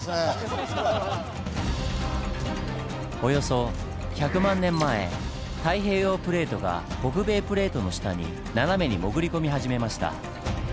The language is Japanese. およそ１００万年前太平洋プレートが北米プレートの下に斜めに潜り込み始めました。